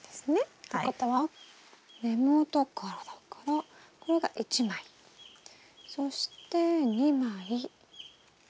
ってことは根元からだからこれが１枚そして２枚３枚。